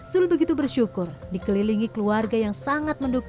zul begitu bersyukur dikelilingi keluarga yang sangat mendukung